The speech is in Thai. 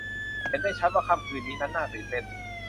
เห็นได้ชัดว่าค่ำคืนนี้นั้นน่าตื่นเต้น